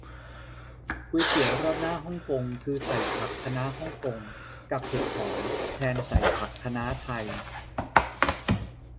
ก๋วยเตี๋ยวราดหน้าฮ่องกงคือใส่ผักคะน้าฮ่องกงกับเห็ดหอมแทนผักคะน้าไทย